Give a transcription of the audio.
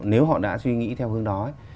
nếu họ đã suy nghĩ theo hướng đó ấy